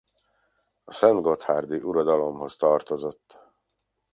A szentgotthárdi uradalomhoz tartozott.